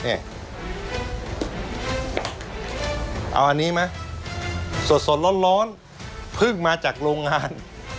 เอาอันนี้ไหมสดร้อนเพิ่งมาจากโรงงาน